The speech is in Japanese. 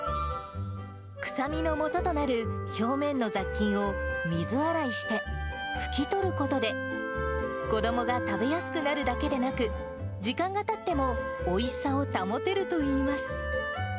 臭みのもととなる、表面の雑菌を水洗いして拭き取ることで、子どもが食べやすくなるだけでなく、時間がたってもおいしさを保てるといいます。